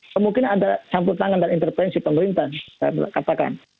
kemungkinan ada sambut tangan dan intervensi pemerintah saya katakan